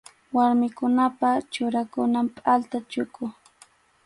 Warmikunapa churakunan pʼalta chuku.